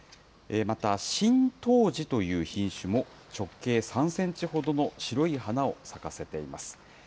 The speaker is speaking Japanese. また新冬至という品種も、直径３センチほどの白い花を咲かせています。